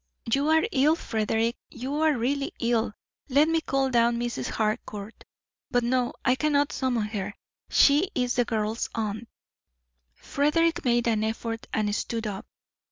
"You are ill, Frederick; you are really ill. Let me call down Mrs. Harcourt. But no, I cannot summon her. She is this girl's aunt." Frederick made an effort and stood up.